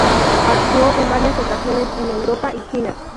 Actúo en varias ocasiones en Europa y China.